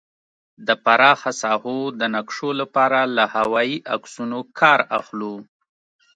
د پراخه ساحو د نقشو لپاره له هوايي عکسونو کار اخلو